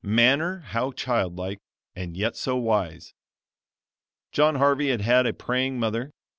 manner how child like, and yet so wise! John Harvey had had a praying mother.